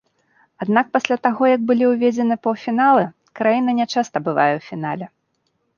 Аднак пасля таго як былі ўведзены паўфіналы, краіна нячаста бывае ў фінале.